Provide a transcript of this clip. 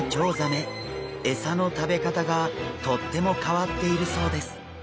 エサの食べ方がとっても変わっているそうです。